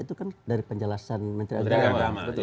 itu kan dari penjelasan menteri agama